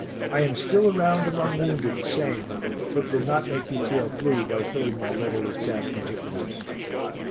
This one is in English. I am still around among wounded same, but will not make you feel blue by filling my letter with sad particulars.